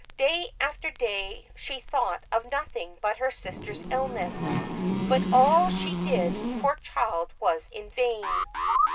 Day after day she thought of nothing but her sister's illness ; but all she did, poor child, was in vain.